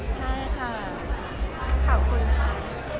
ใช่ค่ะขอบคุณค่ะ